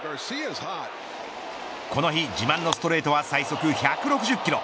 この日、自慢のストレートは最速１６０キロ。